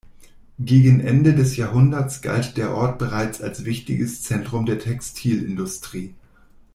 Gegen Ende des Jahrhunderts galt der Ort bereits als wichtiges Zentrum der Textilindustrie.